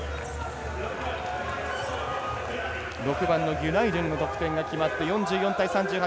６番のギュナイドゥンの得点が決まって４４対３８。